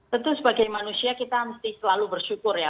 tentu sebagai manusia kita mesti selalu bersyukur ya